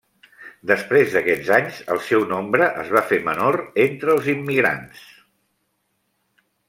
Després d'aquests anys el seu nombre es va fer menor entre els immigrants.